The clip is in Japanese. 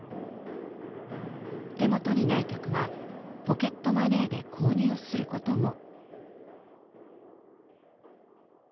手元にない曲はポケットマネーで購入することも。